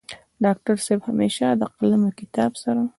ډاکټر صيب همېشه د قلم او کتاب سره